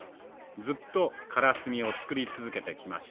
ずっとからすみを作り続けてきました。